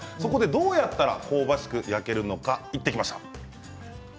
どうやったら香ばしく焼けるのか聞いてきました。